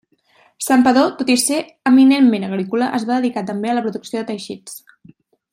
Santpedor tot i ser eminentment agrícola es va dedicar també, a la producció de teixits.